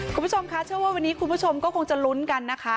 คุณผู้ชมคะเชื่อว่าวันนี้คุณผู้ชมก็คงจะลุ้นกันนะคะ